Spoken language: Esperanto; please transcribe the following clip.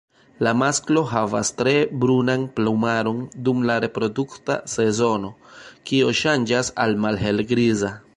La masklo havas tre brunan plumaron dum la reprodukta sezono, kio ŝanĝas al malhelgriza.